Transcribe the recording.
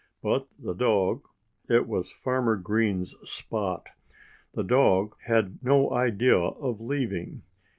But the dog it was Farmer Green's Spot the dog had no idea of leaving.